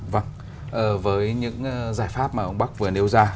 vâng với những giải pháp mà ông bắc vừa nêu ra